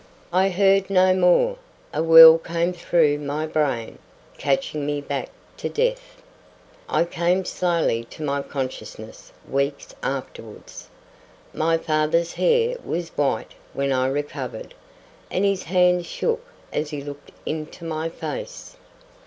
I heard no more. A whirl came through my brain, catching me back to death. I came slowly to my consciousness, weeks afterwards. My father's hair was white when I recovered, and his hands shook as he looked into my face.